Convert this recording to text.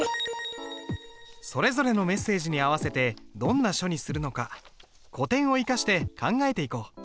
それぞれのメッセージに合わせてどんな書にするのか古典を生かして考えていこう。